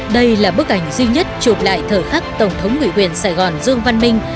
đây là bức ảnh duy nhất chụp lại thời khắc tổng thống nguyện quyền sài gòn dương văn minh